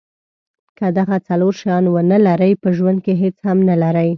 که دغه څلور شیان ونلرئ په ژوند کې هیڅ هم نلرئ.